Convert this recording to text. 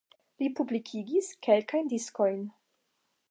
Li publikigis kelkajn diskojn.